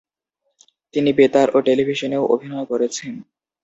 তিনি বেতার ও টেলিভিশনেও অভিনয় করেছেন।